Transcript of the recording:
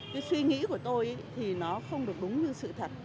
cái suy nghĩ của tôi thì nó không được đúng như sự thật